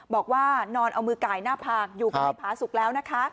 บอกว่านอนเอามือไก่หน้าผากอยู่ใกล้ผาสุกแล้วนะคะ